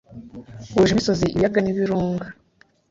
Wuje imisozi, ibiyaga n'ibirunga